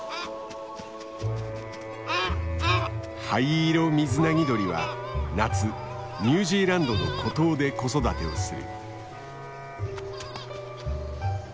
ハイイロミズナギドリは夏ニュージーランドの孤島で子育てをする。